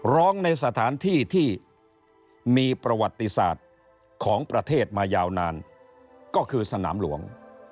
ร้องในสถานที่ที่มีประวัติศาสตร์ของประเทศมายาวนานก็คือสนามหลวง